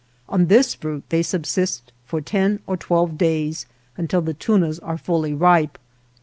On this fruit they subsist for ten or twelve days until the tunas are fully ripe.